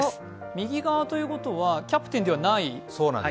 右側ということは、キャプテンではない？